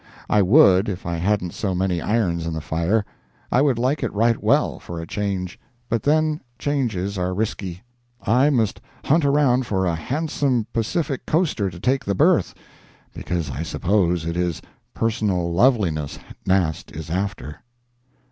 I would, if I hadn't so many irons in the fire. I would like it right well for a change, but then changes are risky. I must hunt around for a handsome Pacific coaster to take the berth—because I suppose it is personal loveliness Nast is after.